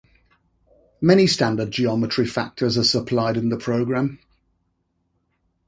Many standard geometry factors are supplied in the program.